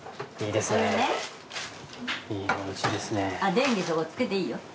電気そこつけていいよ。